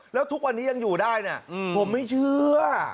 แล้วทุกวันนี้ยังอยู่ได้เนี่ยผมไม่เชื่อ